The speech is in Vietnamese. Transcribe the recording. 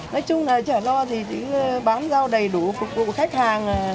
nói chung là chả lo gì thì bán giao đầy đủ phục vụ khách hàng